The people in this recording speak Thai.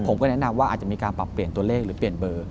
ผมก็แนะนำว่าอาจจะมีการปรับเปลี่ยนตัวเลขหรือเปลี่ยนเบอร์